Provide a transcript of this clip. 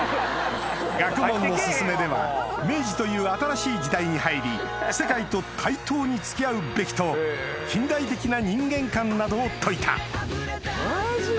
『学問のすゝめ』では明治という新しい時代に入り世界と対等に付き合うべきと近代的な人間観などを説いたマジ？